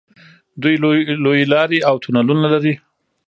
دوی لویې لارې او تونلونه لري.